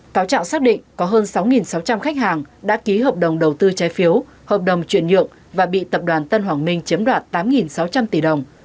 cáo trạng xác định có hơn sáu sáu trăm linh khách hàng đã ký hợp đồng đầu tư trái phiếu hợp đồng chuyển nhượng và bị tập đoàn tân hoàng minh chiếm đoạt tám sáu trăm linh tỷ đồng